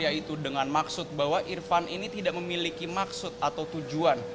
yaitu dengan maksud bahwa irfan ini tidak memiliki maksud atau tujuan